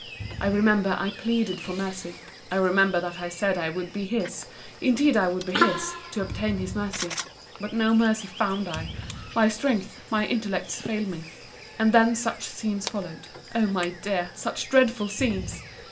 I remember I pleaded for mercy. I remember that I said I would be his—indeed I would be his—to obtain his mercy. But no mercy found I! My strength, my intellects failed me—And then such scenes followed—O my dear, such dreadful scenes!